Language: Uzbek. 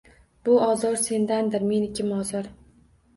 Bu ozor – sendandir, meniki – mozor